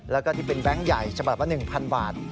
แล้วก็ที่เป็นแบงค์ใหญ่ฉบับละ๑๐๐บาท